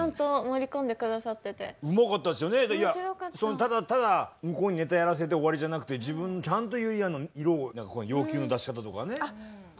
ただただ向こうにネタやらせて終わりじゃなくて自分のちゃんとゆりやんの色を要求の出し方とかね。